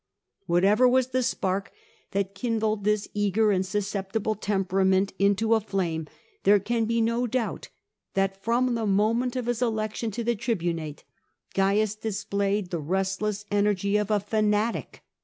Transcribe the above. Whatever was the spark that kindled this eager and susceptible temperament into a flame, there can be no doubt that, from the first mom ent^of^E^ elepi^^ tr ^nateTCmuF dis played the restless e nerg y o^ajana^jg.